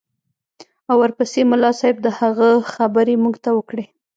او ورپسې ملا صاحب د هغه خبرې موږ ته وکړې.